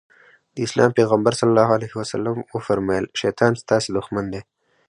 د اسلام پيغمبر ص وفرمايل شيطان ستاسې دښمن دی.